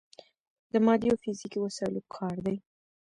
د مادي او فزیکي وسايلو کار دی.